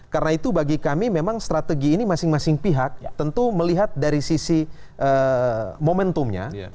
karena itu bagi kami memang strategi ini masing masing pihak tentu melihat dari sisi momentumnya